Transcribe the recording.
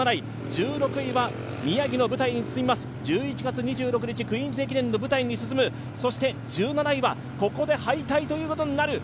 １６位は宮城の舞台に進みます、１１月２６日、クイーンズ駅伝に進む、そして１７位はここで敗退ということになる。